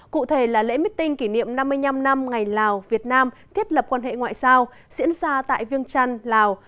cụ thể là lễ meeting kỷ niệm năm mươi năm năm ngày lào việt nam thiết lập quan hệ ngoại giao diễn ra tại viêng trăn lào